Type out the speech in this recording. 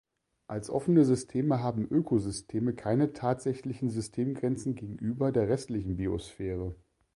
Als offene Systeme haben Ökosysteme keine tatsächlichen Systemgrenzen gegenüber der restlichen Biosphäre.